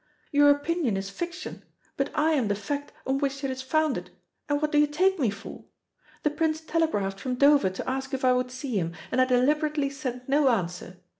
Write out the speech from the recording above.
Your opinion is fiction, but I am the fact on which it is founded, and what do you take me for? The Prince telegraphed from Dover to ask if I would see him, and I deliberately sent no answer.